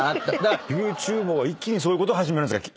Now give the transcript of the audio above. ＹｏｕＴｕｂｅｒが一気にそういうことを始めるんですか？